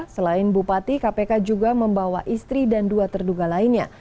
selain bupati kpk juga membawa istri dan dua terduga lainnya